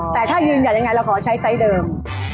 แต่ถ้ายืนอย่างเงี้ยเราขอใช้ไซส์เดิม